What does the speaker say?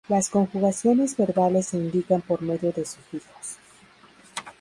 Las conjugaciones verbales se indican por medio de sufijos.